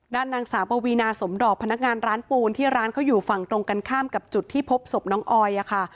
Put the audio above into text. ด้านนางสาวปวีนาสมดอกพนักงานร้านปูนที่ร้านเขาอยู่ฝั่งตรงกันข้ามกับจุดที่พบศพน้องออยค่ะ